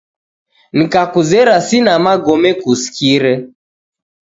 Nikakuzera sena magome kuskire.